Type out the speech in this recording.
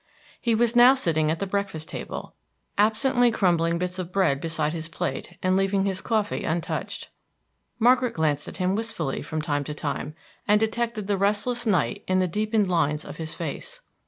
He was now sitting at the breakfast table, absently crumbling bits of bread beside his plate and leaving his coffee untouched. Margaret glanced at him wistfully from time to time, and detected the restless night in the deepened lines of his face.